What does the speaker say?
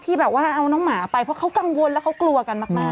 แบบว่าเอาน้องหมาไปเพราะเขากังวลแล้วเขากลัวกันมาก